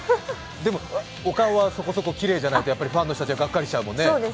でもお顔はそこそこきれいじゃないとファンの人はがっかりしちゃうもんね。